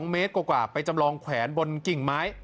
เมตรกว่าไปจำลองแขวนบนกิ่งไม้